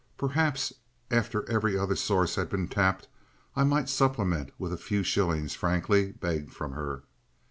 Perhaps after every other source had been tapped I might supplement with a few shillings frankly begged from her.